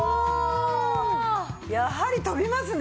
やはり飛びますね。